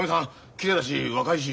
きれいだし若いし。